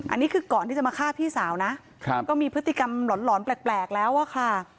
อันนี้คือก่อนที่จะมาฆ่าพี่สาวนะก็มีพฤติกรรมหลอนแปลกแล้วอะค่ะ